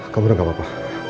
kamu bilang gak apa apa